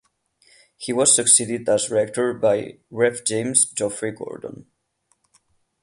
He was succeeded as Rector by Rev James Geoffrey Gordon.